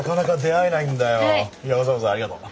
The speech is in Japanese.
いやわざわざありがとう。